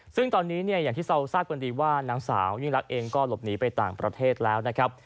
ซึ่งตอนนี้เนี่ยอย่างที่เราทราบกันดีว่านางสาวยิ่งรักเองก็หลบหนีไปต่างประเทศแล้วนะครับ